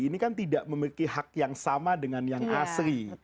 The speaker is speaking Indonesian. ini kan tidak memiliki hak yang sama dengan yang asri